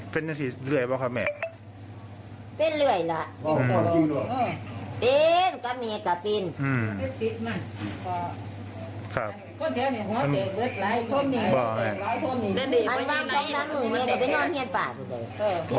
ก็มีกับปีนอืมครับบอกไงมันบ้างทั้งน้ำมึงเนี้ยก็ไปนอนเฮียนป่าดอีกเลย